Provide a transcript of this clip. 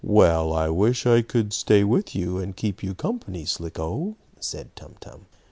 "Well, I wish I could stay with you, and keep you company, Slicko," said Tum Tum.